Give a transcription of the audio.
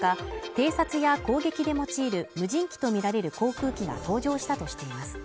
偵察や攻撃で用いる無人機とみられる航空機が登場したとしています